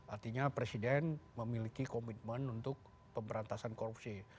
artinya presiden memiliki komitmen untuk pemberantasan korupsi